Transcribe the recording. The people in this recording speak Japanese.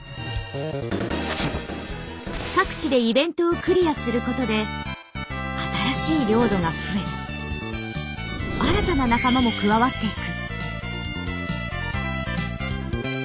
各地でイベントをクリアすることで新しい領土が増え新たな仲間も加わっていく。